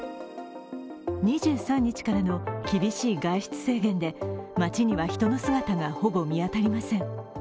２３日からの厳しい外出制限で街には人の姿が、ほぼ見当たりません。